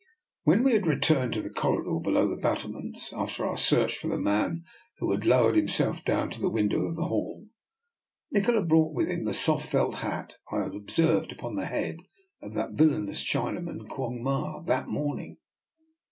When we had returned to the corridor be low the battlements, after our search for the man who had lowered himself down to the window of the hall, Nikola brought with him the soft felt hat I had observed upon the head of that villainous Chinaman, Quong Ma, that morning.